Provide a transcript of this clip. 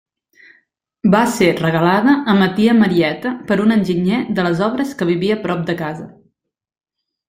Va ser regalada a ma tia Marieta per un enginyer de les obres que vivia prop de casa.